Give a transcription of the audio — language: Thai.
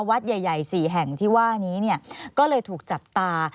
วัดใหญ่๔แห่งที่ว่านี้เนี่ยก็เลยถูกจับตา